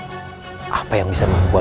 dapat apa disini